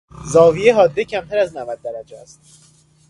زاویهی حاده کمتر از نود درجه است.